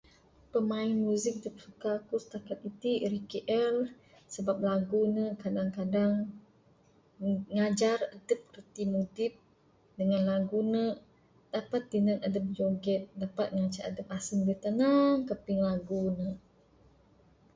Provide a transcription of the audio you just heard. Pemain music da suka ku stakat iti MKL sebab ne lagu ne kadang-kadang ngajar adep pimudip dengan lagu ne dapet tinan adep joget, dapet ngancak aseng dep tenang kaping lagu ne.